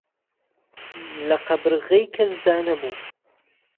له قهبرغەی کهس دا نهبوو